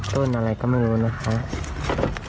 ต้นอะไรก็ไม่รู้นะครับ